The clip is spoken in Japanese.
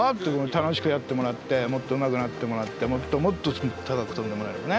楽しくやってもらってもっとうまくなってもらってもっともっと高く跳んでもらえばね。